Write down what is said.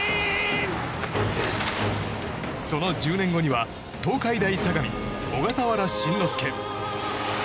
その１０年後には東海大相模小笠原慎之介。